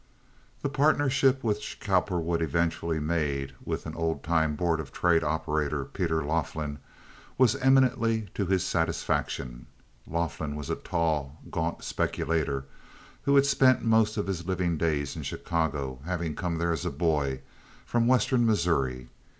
The partnership which Cowperwood eventually made with an old time Board of Trade operator, Peter Laughlin, was eminently to his satisfaction. Laughlin was a tall, gaunt speculator who had spent most of his living days in Chicago, having come there as a boy from western Missouri.